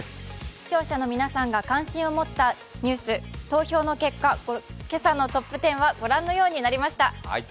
視聴者の皆さんが関心を持ったニュース投票の結果、今朝のトップ１０はご覧のようになりました。